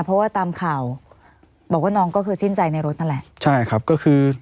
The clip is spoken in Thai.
เพราะว่าตามข่าวบอกว่าน้องก็คือสิ้นใจในรถนั่นแหละใช่ครับก็คือ